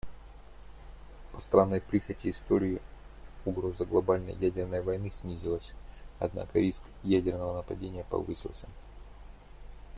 По странной прихоти истории угроза глобальной ядерной войны снизилась, однако риск ядерного нападения повысился".